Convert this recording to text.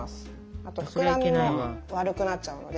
あとふくらみも悪くなっちゃうので。